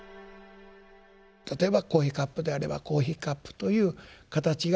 例えばコーヒーカップであればコーヒーカップという形がありますよね。